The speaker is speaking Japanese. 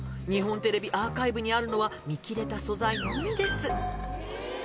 日本テレビアーカイブにあるのは見切れた素材のみですちょっと！